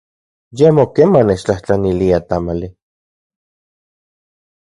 Ye amo keman nechtlajtlanilia tamali.